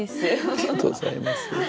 ありがとうございます。